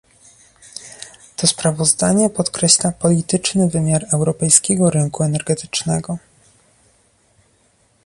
To sprawozdanie podkreśla polityczny wymiar europejskiego rynku energetycznego